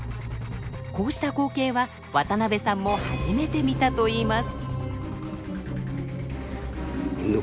こうした光景は渡部さんも初めて見たといいます。